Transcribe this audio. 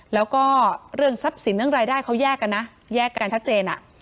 แล้วก็เรื่องทรัพย์สินเรื่องรายได้เขาแยกกันนะแยกกันชัดเจน